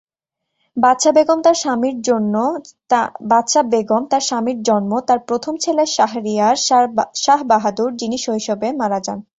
বাদশা বেগম তার স্বামীর জন্ম তাঁর প্রথম ছেলে শাহরিয়ার শাহ বাহাদুর, যিনি শৈশবে মারা যান।